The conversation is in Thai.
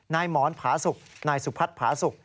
หมอนผาสุกนายสุพัฒน์ผาสุก